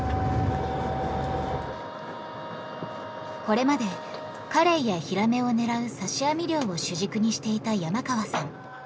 これまでカレイやヒラメを狙う刺し網漁を主軸にしていた山川さん。